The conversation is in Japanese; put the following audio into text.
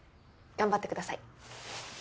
頑張ってください。